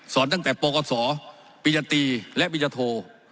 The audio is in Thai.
สอนตั้งแต่ปกศปิญญาตีและปิญญาโท